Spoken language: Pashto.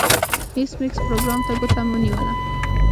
ایس میکس پروګرامر ته ګوته ونیوله